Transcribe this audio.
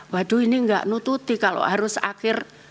waduh ini nggak nututi kalau harus akhir